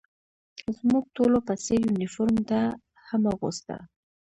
زموږ ټولو په څېر یونیفورم ده هم اغوسته.